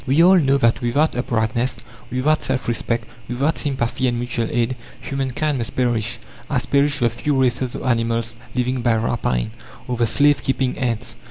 We all know that without uprightness, without self respect, without sympathy and mutual aid, human kind must perish, as perish the few races of animals living by rapine, or the slave keeping ants.